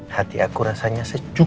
hati aku rasanya sejuk